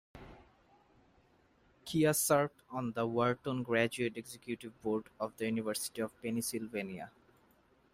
Chia served on the Wharton Graduate Executive Board of the University of Pennsylvania.